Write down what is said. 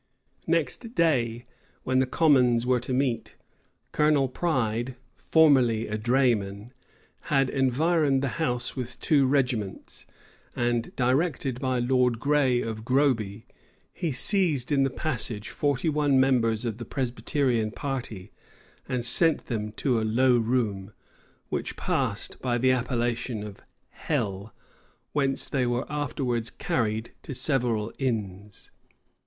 Next day, when the commons were to meet, Colonel Pride formerly a drayman, had environed the house with two regiments; and, directed by Lord Grey of Groby, he seized in the passage forty one members of the Presbyterian party, and sent them to a low room, which passed by the appellation of "hell;" whence they were afterwards carried to several inns.